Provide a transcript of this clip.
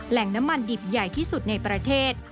แหล่งน้ำมันดิบใหญ่ที่สุดในประเทศ